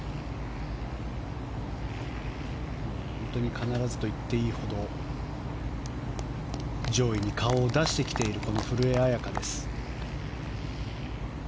必ずと言っていいほど上位に顔を出してきているこの古江彩佳です。